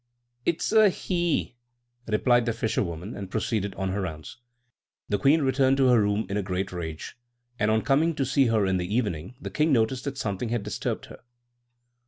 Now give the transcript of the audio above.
"It's a he," replied the fisherwoman, and proceeded on her rounds. The queen returned to her room in a great rage; and on coming to see her in the evening, the king noticed that something had disturbed her.